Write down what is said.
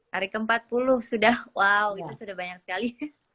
hari ke empat puluh sudah wow itu sudah banyak sekali